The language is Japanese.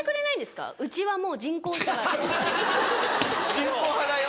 ・「人工派だよ」